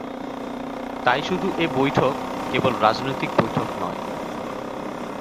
তাই শুধু এ বৈঠক কেবল রাজনৈতিক বৈঠক নয়।